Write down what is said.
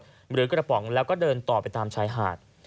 หรือกระป๋องแล้วก็เดินต่อไปตามชายหาด